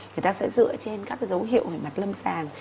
người ta sẽ dựa trên các cái dấu hiệu mặt lâm sàng